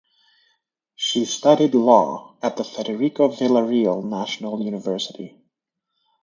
She studied Law at the Federico Villarreal National University.